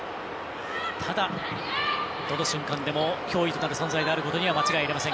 ただ、どの瞬間でも脅威となる存在ということは間違いありません